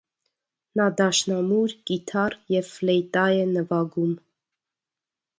Նա դաշնամուր, կիթառ և ֆլեյտա է նվագում։